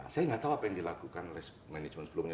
saya nggak tahu apa yang dilakukan oleh manajemen sebelumnya